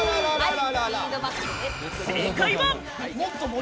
正解は。